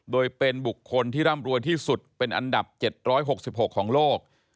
โดยเป็นบุคคลที่ร่ำรวยที่สุดเป็นอันดับ๗๖๖ของโลก